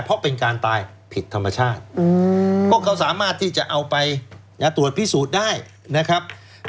เพราะเป็นการตายผิดธรรมชาติก็เขาสามารถที่จะเอาไปตรวจพิสูจน์ได้นะครับ